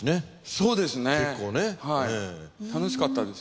そうですねはい楽しかったです。